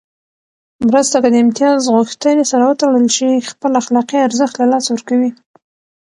مرسته که د امتياز غوښتنې سره وتړل شي، خپل اخلاقي ارزښت له لاسه ورکوي.